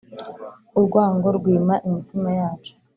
urwango rwima imitima yacu